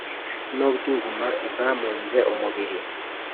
N'ubw'inguma zamunze umubiri